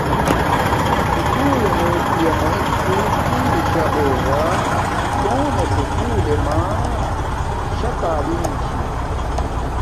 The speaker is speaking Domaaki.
سوکولݵ میں پیا مݷچوں کی اری شاہ ہوگا کونے سوکولݵ میں شاہ تعلم چھی تا